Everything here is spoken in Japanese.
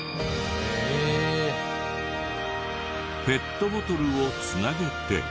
ペットボトルを繋げて。